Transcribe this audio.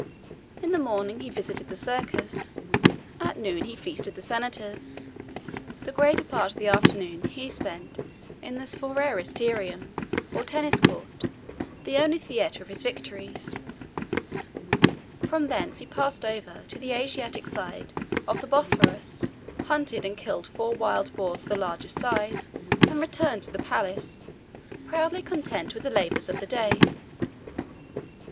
In the morning he visited the circus; at noon he feasted the senators; the greater part of the afternoon he spent in the sphoeristerium, or tennis court, the only theatre of his victories; from thence he passed over to the Asiatic side of the Bosphorus, hunted and killed four wild boars of the largest size, and returned to the palace, proudly content with the labors of the day.